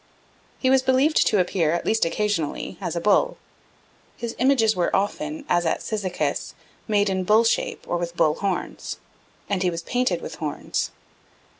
He was believed to appear, at least occasionally, as a bull. His images were often, as at Cyzicus, made in bull shape, or with bull horns; and he was painted with horns.